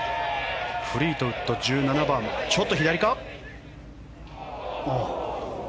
フリートウッド、１７番ちょっと左か。